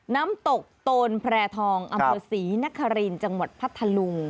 น้ำตกโตนแพร่ทองอำเภอศรีนครินจังหวัดพัทธลุง